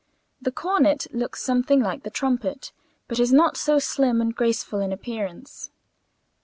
The cornet looks something like the trumpet, but is not so slim and graceful in appearance.